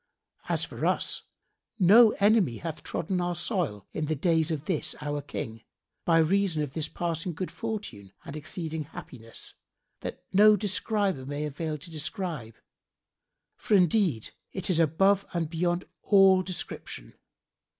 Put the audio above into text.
[FN#74] As for us, no enemy hath trodden our soil in the days of this our King, by reason of this passing good fortune and exceeding happiness, that no describer may avail to describe, for indeed it is above and beyond all description.